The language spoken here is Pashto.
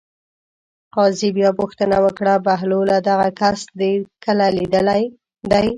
قاضي بیا پوښتنه وکړه: بهلوله دغه کس دې کله لیدلی دی.